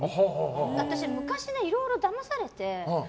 私、昔いろいろだまされて。